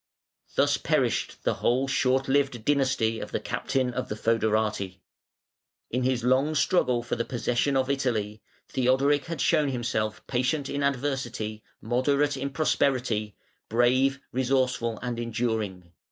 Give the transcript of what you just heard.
Thus perished the whole short lived dynasty of the captain of the fœderati. In his long struggle for the possession of Italy, Theodoric had shown himself patient in adversity, moderate in prosperity, brave, resourceful, and enduring.